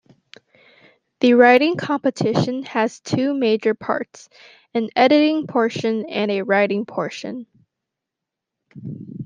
The writing competition has two major parts: an editing portion and a writing portion.